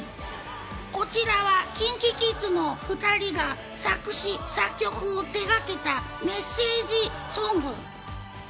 こちらはＫｉｎＫｉＫｉｄｓのお２人が作詞・作曲を手がけたメッセージソング。